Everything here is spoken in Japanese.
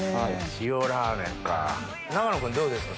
塩ラーメンか長野君どうですか好き？